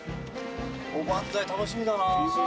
「おばんざい楽しみだなー！」